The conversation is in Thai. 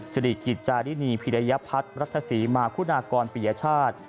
สิริกิจจารินีพิรยพัฒน์รัฐศรีมาคุณากรปิยชาติ